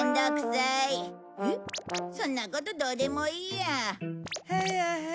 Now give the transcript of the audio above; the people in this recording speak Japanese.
そんなことどうでもいいや。はああ。